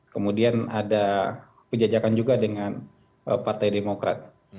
kemudian ada penjajakan juga dengan partai demokrat